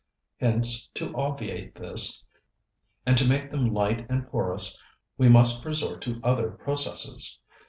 Hence, to obviate this, and to make them light and porous, we must resort to other processes.